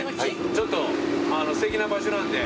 ちょっとすてきな場所なんで。